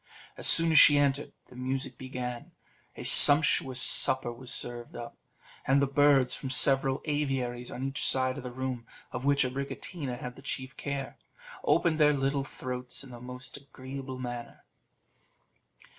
As soon as she entered, the music began, a sumptuous supper was served up, and the birds from several aviaries on each side of the room, of which Abricotina had the chief care, opened their little throats in the most agreeable manner.